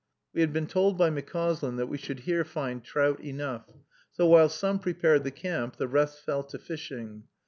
We had been told by McCauslin that we should here find trout enough; so, while some prepared the camp, the rest fell to fishing.